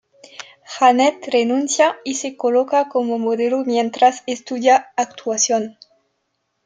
Janet renuncia y se coloca como modelo mientras estudia actuación.